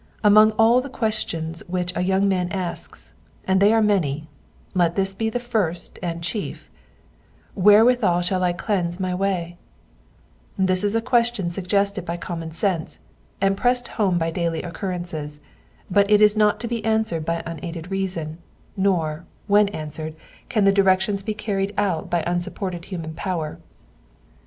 Among all the questions which a young man asks, and they are many, let this be the firet and chief :*' Where withal shall I cleanse my way ?'* This is a question suggested by common sense, and pressed home by daily occurrences ; but it is not to be answered by unaided reason, nor, when answered, can the directions be Digitized by VjOOQIC PSALM OKB HUNDRED AND NINETEEN — ^VEBSES 9 TO 16. 33 carried out by unsupported human power.